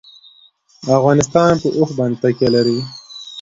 افغانستان په اوښ باندې تکیه لري.